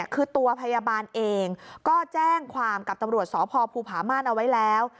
คือตัวพยาบาลเองก็แจ้งความกับตำรวจสพภูผาม่านเอาไว้แล้ว